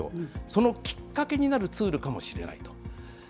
そのきっかけになるツールかもしれないと。